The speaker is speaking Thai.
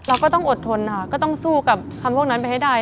เราก็ต้องอดทนค่ะก็ต้องสู้กับคำพวกนั้นไปให้ได้